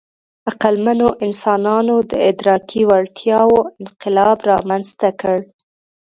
عقلمنو انسانانو د ادراکي وړتیاوو انقلاب رامنځ ته کړ.